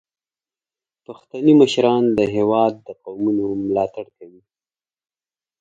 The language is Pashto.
پښتني مشران د هیواد د قومونو ملاتړ کوي.